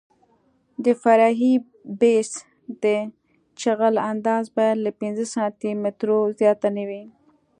د فرعي بیس د جغل اندازه باید له پنځه سانتي مترو زیاته نه وي